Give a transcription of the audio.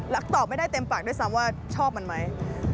แล้วตอบไม่ได้เต็มปากด้วยซ้ำว่าชอบมันไหม